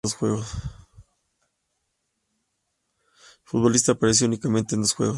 El futbolista apareció únicamente en dos juegos.